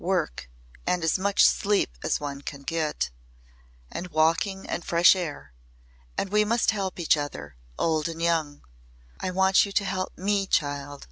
Work and as much sleep as one can get, and walking and fresh air. And we must help each other old and young. I want you to help me, child.